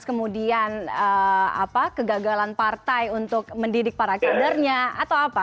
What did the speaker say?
kemudian kegagalan partai untuk mendidik para kadernya atau apa